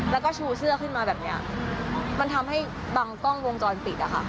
แล้วก็ชูเสื้อขึ้นมาแบบเนี้ยมันทำให้บางกล้องวงจรปิดอะค่ะ